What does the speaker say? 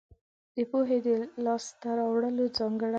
د پوهې د لاس ته راوړلو ځانګړنه.